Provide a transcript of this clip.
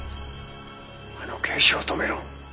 あの刑事を止めろ。